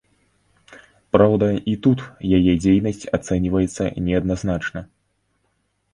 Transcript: Праўда, і тут яе дзейнасць ацэньваецца неадназначна.